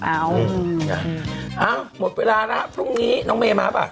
เอ้าหมดเวลาแล้วพรุ่งนี้น้องเมย์มาป่ะ